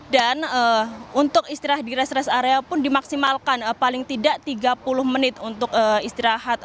dan untuk istirahat di rest rest area pun dimaksimalkan paling tidak tiga puluh menit untuk istirahat